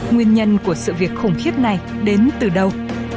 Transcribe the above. nguyên nhân của sự việc khủng khiếp này đến từ đâu